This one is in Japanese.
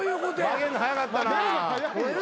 曲げるの早かったな。